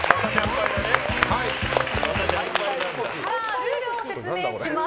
ルールを説明します。